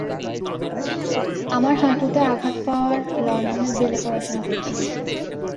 আমার হাঁটুতে আঘাত পাওয়ার লন্ডনের ব্যালে পড়াশোনা করছি।